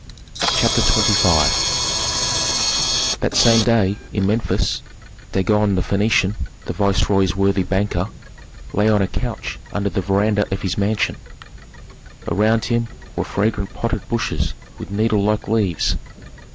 CHAPTER XXV That same day, in Memphis, Dagon the Phœnician, the viceroy's worthy banker, lay on a couch under the veranda of his mansion. Around him were fragrant potted bushes with needle like leaves.